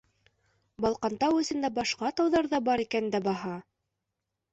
Балҡантау эсендә башҡа тауҙар ҙа бар икән дә баһа!